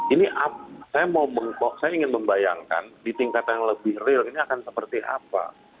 ini saya ingin membayangkan di tingkat yang lebih real ini akan seperti apa